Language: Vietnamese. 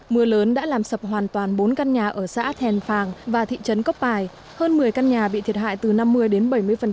mưa lớn đã làm sập hoàn toàn bốn căn nhà ở xã thèn phàng và thị trấn cóc bài hơn một mươi căn nhà bị thiệt hại từ năm mươi đến bảy mươi